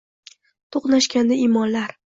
To’qnashganda imonlar.